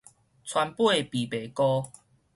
川貝枇杷膏